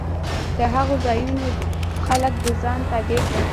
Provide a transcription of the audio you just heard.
د هغو ځایونو خلک د ځان تابع کوي